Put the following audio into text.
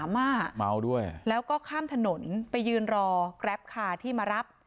เมาด้วยแล้วก็ข้ามถนนไปยืนรอแกรปคาที่มารับ